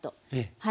はい。